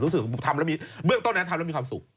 เรื่องตรงนั้นทำแล้วมีความสุข